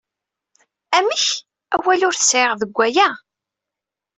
Amek, awal ur t-sɛiɣ deg aya?